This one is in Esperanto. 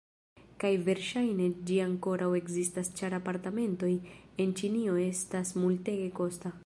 Kaj verŝajne, ĝi ankoraŭ ekzistas ĉar apartamentoj en Ĉinio estas multege kosta.